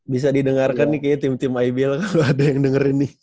bisa didengarkan nih kayaknya tim tim ibl kalau ada yang dengerin nih